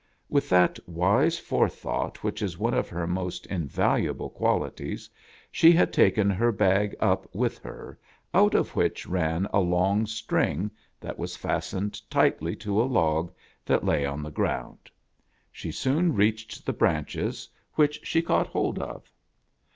With that wise forethought which is one of her most invaluable qualities, she had taken her bag up with her, out of which ran a long string that was fastened tightly to a log that lay on the ground. She soon reached the branches, which she caught hold of.